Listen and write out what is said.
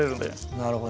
なるほど。